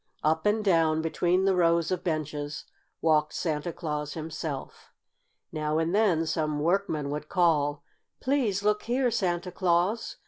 Up and down, between the rows of benches, walked Santa Claus himself. Now and then some workman would call: "Please look here, Santa Claus!